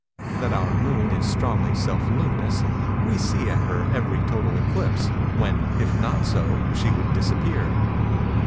That our Moon is strongly self luminous, we see at her every total eclipse, when, if not so, she would disappear.